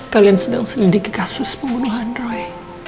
kalian sedang selidiki kasus pembunuhan roy